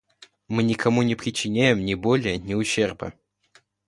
Мы никому не причиняем ни боли, ни ущерба.